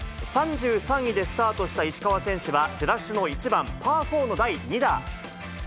３３位でスタートした石川選手は、出だしの１番パー４の第２打。